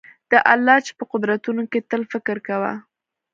د الله چي په قدرتونو کي تل فکر کوه